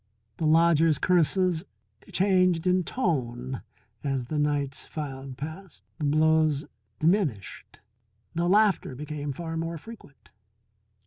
The lodger's curses changed in tone as the nights filed past, the blows diminished, the laughter became far more frequent.